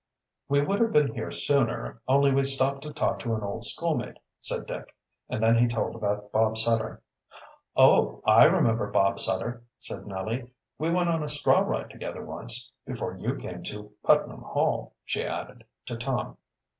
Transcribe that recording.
"We would have been here sooner, only we stopped to talk to an old schoolmate," said Dick, and then he told about Bob Sutter. "Oh, I remember Bob Sutter," said Nellie. "We went on a straw ride together once before you came to Putnam Hall," she added, to Tom.